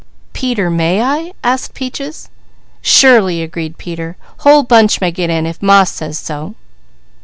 "Peter, may I?" asked Peaches. "Surely!" agreed Peter. "Whole bunch may get in if Ma says so!"